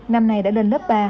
năm nay đã lên lớp ba